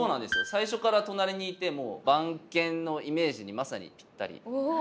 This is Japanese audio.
最初から隣にいてもう番犬のイメージにまさにぴったりですね。